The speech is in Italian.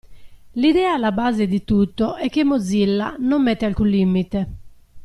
L'idea alla base di tutto è che Mozilla non mette alcun limite.